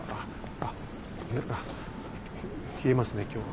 ああ冷えますね今日は。